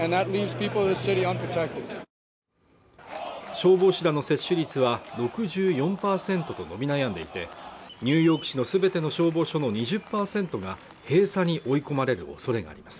消防士らの接種率は６４％と伸び悩んでいてニューヨーク市の全ての消防署の２０％が閉鎖に追い込まれるおそれがあります